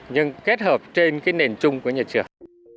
nhưng kết hợp trên cái nền chung của nhà trường